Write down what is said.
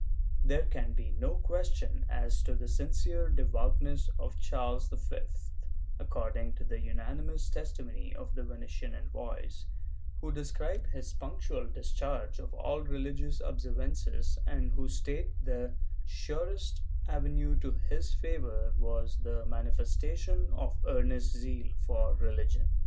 There can be no question as to the sincere devoutness of Charles V, according to the unanimous testimony of the Venetian envoys, who describe his punctual discharge of all religious observances and who state that the surest avenue to his favor was the mani festation of earnest zeal for religion.